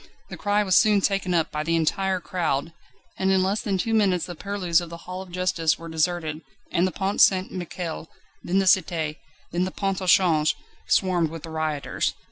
The cry was soon taken up by the entire crowd, and in less than two minutes the purlieus of the Hall of Justice were deserted, and the Pont St Michel, then the Cité and the Pont au Change, swarmed with the rioters.